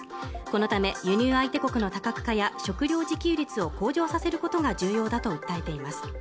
このため輸入相手国の多角化や食料自給率を向上させることが重要だと訴えています